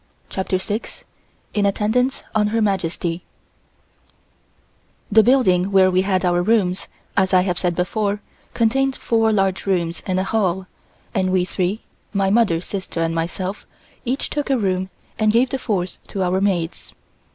CHAPTER SIX IN ATTENDANCE ON HER MAJESTY THE building where we had our rooms, as I have said before, contained four large rooms and a hall, and we three, my mother, sister and myself, each took a room and gave the fourth to our maids.